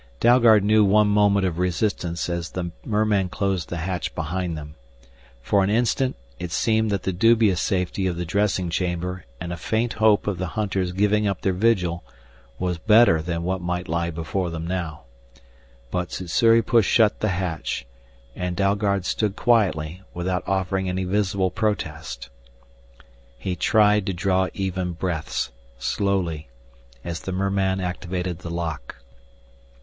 Dalgard knew one moment of resistance as the merman closed the hatch behind them. For an instant it seemed that the dubious safety of the dressing chamber and a faint hope of the hunters' giving up their vigil was better than what might lie before them now. But Sssuri pushed shut the hatch, and Dalgard stood quietly, without offering any visible protest. He tried to draw even breaths slowly as the merman activated the lock.